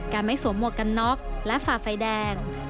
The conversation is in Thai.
ไม่สวมหมวกกันน็อกและฝ่าไฟแดง